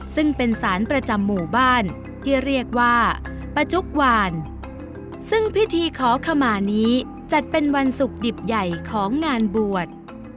ซึ่งเป็นสารประจำหมู่บ้านที่เรียกว่าประจุกวานซึ่งพิธีขอขมานี้จัดเป็นวันศุกร์ดิบใหญ่ของงานบวช